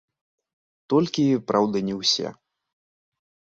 Толькі, праўда, не ўсе.